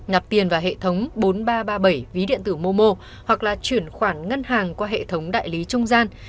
nạp tiền vào hệ thống bốn nghìn ba trăm ba mươi bảy ví điện tử momo hoặc là chuyển khoản ngân hàng qua hệ thống đại lý trung gian